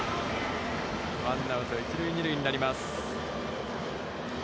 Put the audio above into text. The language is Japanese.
ワンアウト、一塁二塁になります。